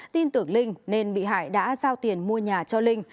tin tưởng linh nên bị hại đã giao tiền mua nhà cho linh